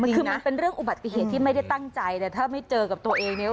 คือมันเป็นเรื่องอุบัติเหตุที่ไม่ได้ตั้งใจแต่ถ้าไม่เจอกับตัวเองเนี่ย